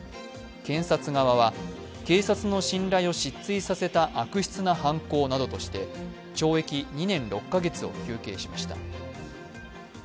検察側は、警察の信頼を失墜させた悪質な犯行などとして懲役２年６カ月を求刑しました。